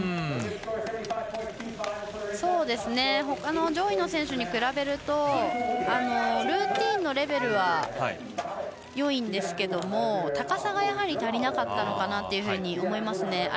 ほかの上位の選手に比べるとルーティンのレベルはよいんですけれども高さが足りなかったのかなと思いますね。